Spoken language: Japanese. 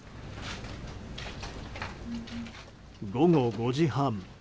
午後５時半。